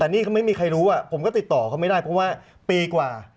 แต่นี่เขาไม่มีใครรู้ผมก็ติดต่อเขาไม่ได้เพราะว่าปีกว่า